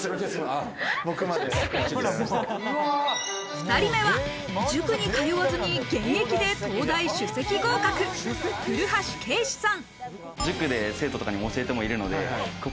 ２人目は、塾に通わずに現役で東大首席合格、古橋慧士さん。